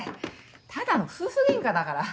ただの夫婦ゲンカだから。